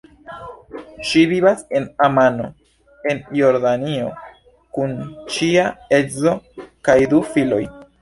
Ŝi vivas en Amano, en Jordanio, kun ŝia edzo kaj du filoj.